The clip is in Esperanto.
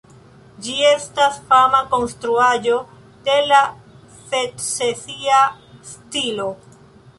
Ĝi estas fama konstruaĵo de la secesia stilo.